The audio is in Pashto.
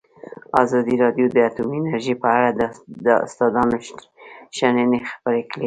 ازادي راډیو د اټومي انرژي په اړه د استادانو شننې خپرې کړي.